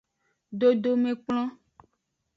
Dodomekplon.